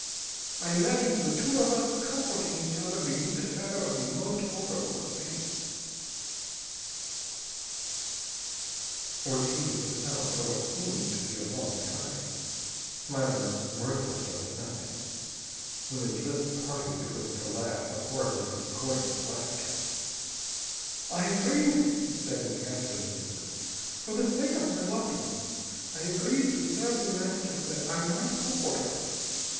I imagined the two of us comforting each other beneath the shadow of the most horrible of fates...." Ortiz was silent for what seemed to be a long time, smiling mirthlessly at nothing. When his lips parted, it was to laugh, a horribly discordant laughter. "I agreed," he said in ghastly amusement. "For the sake of my loved one, I agreed to serve The Master that I might comfort her.